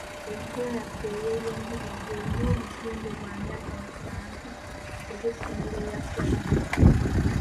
Enkola yaffe ey'ebyenjigiriza erina obuzimbe bwa myaka musanvu egy'ensoma eya pulayimale.